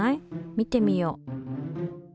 見てみよう。